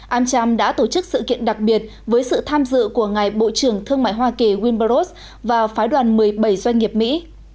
amcham đã tổ chức sự kiện đặc biệt với sự tham dự của ngài bộ trưởng thương mại hoa kỳ winburrough và phái đoàn một mươi bảy doanh nghiệp mỹ